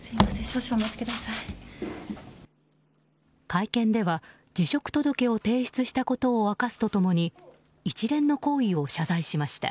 会見では辞職届を提出したことを明かすと共に一連の行為を謝罪しました。